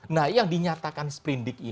nah yang dinyatakan sprendik